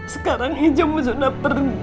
sekarang ijom sudah pergi